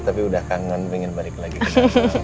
tapi udah kangen pengen balik lagi ke sini